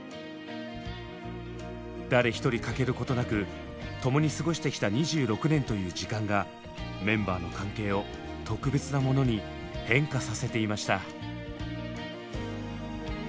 誰一人欠けることなく共に過ごしてきた２６年という時間がメンバーの関係を特別なものに変化させていました。